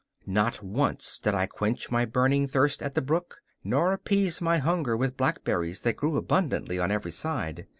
Not once did I quench my burning thirst at the brook nor appease my hunger with blackberries that grew abundantly on every side.